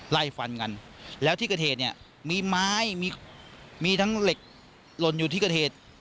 ไล่ฟันกันแล้วที่กระเทศเนี้ยมีไม้มีมีทั้งเหล็กลนอยู่ที่กระเทศ